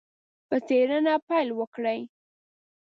په څېړنه پیل وکړي.